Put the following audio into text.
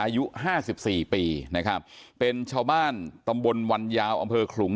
อายุ๕๔ปีเป็นชาวบ้านตำบลวันยาวอำเภอขลุง